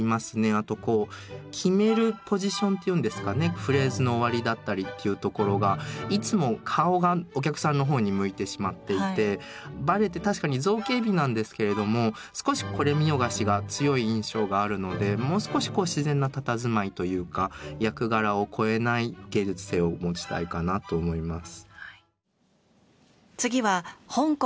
あと決めるポジションっていうんですかねフレーズの終わりだったりっていうところがいつも顔がお客さんの方に向いてしまっていてバレエって確かに造形美なんですけれども少しこれみよがしが強い印象があるのでもう少しこう自然なたたずまいというか役柄を超えない芸術性を持ちたいかなと思います。